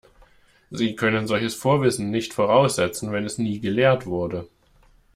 Sie können solches Vorwissen nicht voraussetzen, wenn es nie gelehrt wurde.